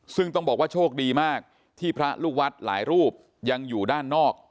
ซึ่งต้องบอกว่าโชคดีมากที่พระลูกวัดหลายรูปยังอยู่ด้านนอก